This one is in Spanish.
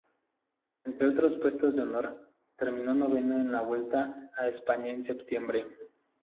Entre otros puestos de honor, terminó noveno en la Vuelta a España en septiembre.